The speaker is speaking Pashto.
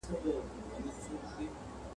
او پر ځای د چڼچڼیو توتکیو !.